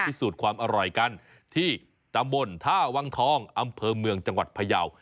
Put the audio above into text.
พิสูจน์ความอร่อยกันที่ตำบลท่าวังทองอำเภอเมืองจังหวัดพยาว